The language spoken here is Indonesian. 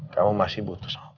kamu masih butuh sama papa